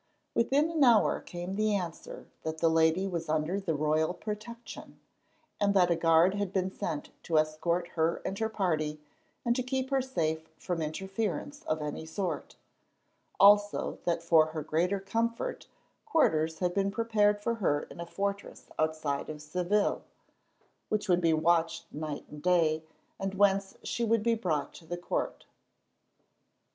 Within an hour came the answer that the lady was under the royal protection, and that a guard had been sent to escort her and her party and to keep her safe from interference of any sort; also, that for her greater comfort, quarters had been prepared for her in a fortress outside of Seville, which would be watched night and day, and whence she would be brought to the court.